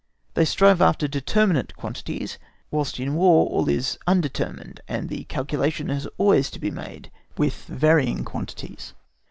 They strive after determinate quantities, whilst in War all is undetermined, and the calculation has always to be made with varying quantities.